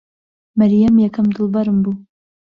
مەریەم یەکەم دڵبەرم بوو.